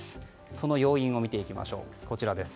その要因を見ていきましょう。